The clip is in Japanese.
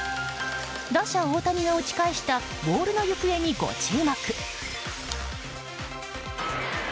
打者・大谷が打ち返したボールの行方にご注目。